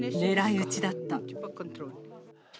狙い撃ちだった。